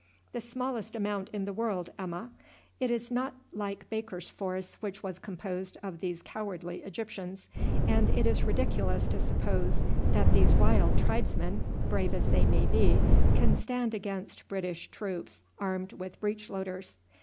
"The smallest amount in the world, Emma. It is not like Baker's force, which was composed of these cowardly Egyptians; and it is ridiculous to suppose that these wild tribesmen, brave as they may be, can stand against British troops armed with breech loaders.